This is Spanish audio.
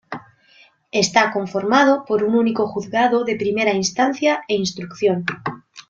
Está conformado por un único juzgado de primera instancia e instrucción.